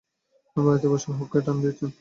বাড়িতে বসে হুক্কায় টান দিচ্ছেন।